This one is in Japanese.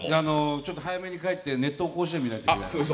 ちょっと早めに帰って「熱闘甲子園」見ないといけないので。